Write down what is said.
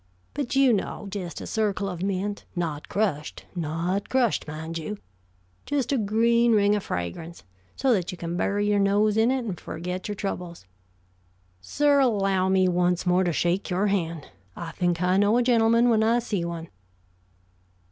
But, you know, just a circle of mint not crushed not crushed, mind you just a green ring of fragrance, so that you can bury your nose in it and forget your troubles. Sir, allow me once more to shake your hand. I think I know a gentleman when I see one."